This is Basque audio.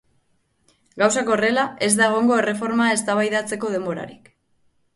Gauzak horrela, ez da egongo erreforma eztabaidatzeko denborarik.